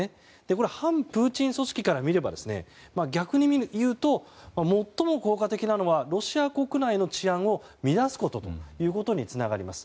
これ、反プーチン組織から見れば逆にいうと、最も効果的なのはロシア国内の治安を乱すことにつながります。